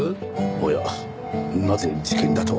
おやなぜ事件だと？